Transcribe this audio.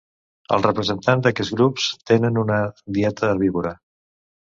Els representants d'aquest grup tenen una dieta herbívora.